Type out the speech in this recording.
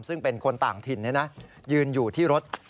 ซึ่งเป็นคนต่างถิ่นยืนอยู่ที่รถ